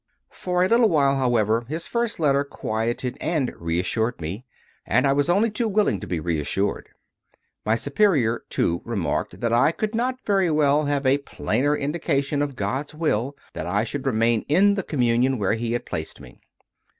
For a little while, however, his first letter quieted and reassured me, and I was only too willing to be reassured. My Superior, too, remarked that I could not very well have a plainer indication of God s Will that I should remain in the communion where He had placed me.